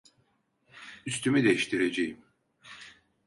Üstümü değiştireceğim.